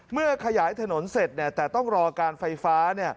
ขยายถนนเสร็จแต่ต้องรอการไฟฟ้า